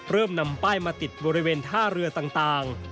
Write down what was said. นำป้ายมาติดบริเวณท่าเรือต่าง